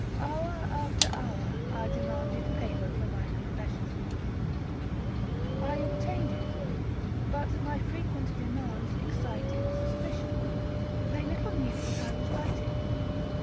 Hour after hour I demanded paper for my confession. I obtained it, but my frequent demands excited suspicion,—they little knew what I was writing.